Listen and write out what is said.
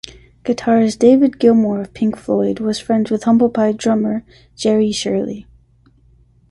Guitarist David Gilmour of Pink Floyd was friends with Humble Pie drummer Jerry Shirley.